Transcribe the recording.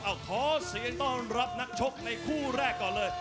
เอาขอเสียงต้อนรับนักชกในคู่แรกก่อนเลย